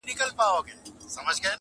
o تا ښخ کړئ د سړو په خوا کي سپی دی,